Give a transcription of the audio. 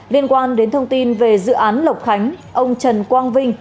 liên quan đến thông tin về dự án lộc khánh ông trần quang vinh